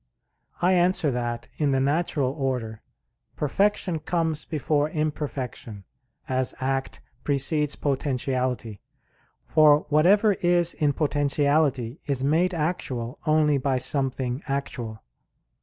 I answer that, In the natural order, perfection comes before imperfection, as act precedes potentiality; for whatever is in potentiality is made actual only by something actual.